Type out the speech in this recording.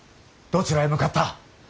どちらへ向かった。